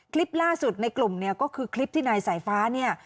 คลิปล่าสุดในกลุ่มเนี่ยก็คือคลิปที่นายสายฟ้าเนี่ย